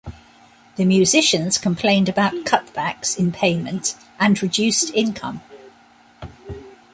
The musicians complained about cutbacks in payment and reduced income.